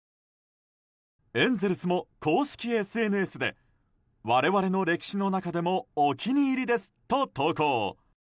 エンゼルスも公式ＳＮＳで我々の歴史の中でもお気に入りですと投稿。